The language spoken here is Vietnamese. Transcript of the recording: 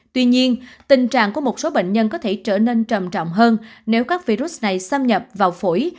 tuy nhiên tình trạng của một số bệnh nhân có thể trở nên trầm trọng hơn nếu các virus này xâm nhập vào phổi